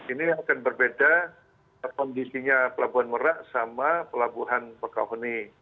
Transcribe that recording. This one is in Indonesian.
ini akan berbeda kondisinya pelabuhan merak sama pelabuhan pekauhuni